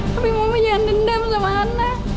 tapi mama jangan dendam sama ana